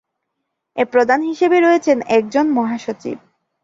এর প্রধান হিসেবে রয়েছেন একজন মহাসচিব।